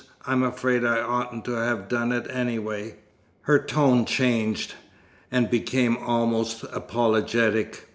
I'm afraid I oughtn't to have done it, anyway." Her tone changed, and became almost apologetic.